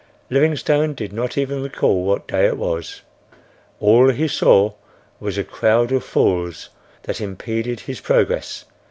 Livingstone did not even recall what day it was. All he saw was a crowd of fools that impeded his progress.